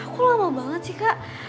aku lama banget sih kak